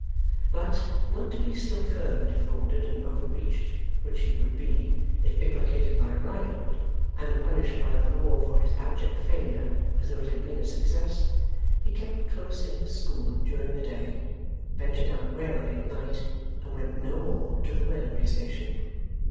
But, not to be still further defrauded and overreached which he would be, if implicated by Riderhood, and punished by the law for his abject failure, as though it had been a success he kept close in his school during the day, ventured out warily at night, and went no more to the railway station.